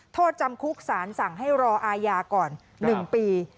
โทษจำคุกศาลสั่งให้รออายาก่อนหนึ่งปี